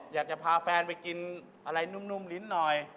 อยากจะพาแฟนไปกินอะไรนุ่มลิ้นหน่อย